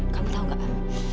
kamu tahu nggak